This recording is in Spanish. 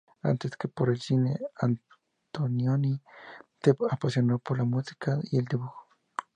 Antes que por el cine, Antonioni se apasionó por la música y el dibujo.